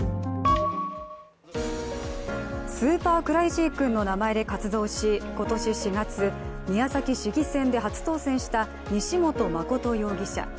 スーパークレイジー君の名前で活動し今年４月、宮崎市議選で初当選した西本誠容疑者。